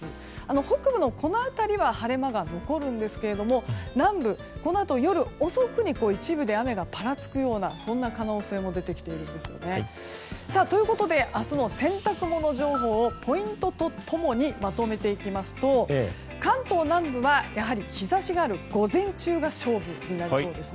北部のこの辺りは晴れ間が残るんですが南部、このあと夜遅くに一部で雨がぱらつくような可能性も出てきているんですね。ということで、明日の洗濯物情報をポイントと共にまとめていきますと、関東南部はやはり日差しがある午前中が勝負になりそうです。